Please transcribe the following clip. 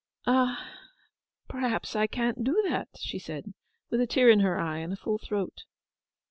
'Ah, perhaps I can't do that,' she said, with a tear in her eye, and a full throat.